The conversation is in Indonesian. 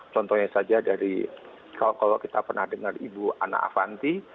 contohnya saja dari kalau kita pernah dengar ibu ana avanti